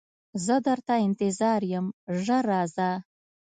زه درته انتظار یم ژر راځه